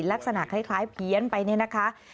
ลักษณะคล้ายเพี้ยนไปเนี่ยนะคะ